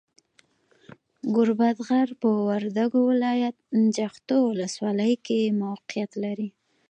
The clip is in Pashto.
ګوربت غر، په وردګو ولایت، جغتو ولسوالۍ کې موقیعت لري.